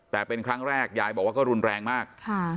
แต่เป็นครั้งแรกยายบอกว่าก็รุนแรงมาก